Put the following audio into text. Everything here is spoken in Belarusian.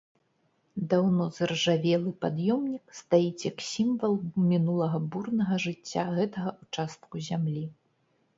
Даўно заржавелы пад'ёмнік стаіць як сімвал мінулага бурнага жыцця гэтага ўчастку зямлі.